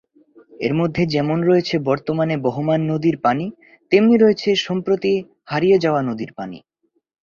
এর মধ্যে যেমন রয়েছে বর্তমানে বহমান নদীর পানি, তেমনি রয়েছে সম্প্রতি হারিয়ে যাওয়া নদীর পানি।